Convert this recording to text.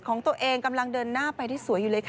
ของตัวเองกำลังเดินหน้าไปได้สวยอยู่เลยค่ะ